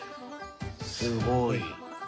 すごい。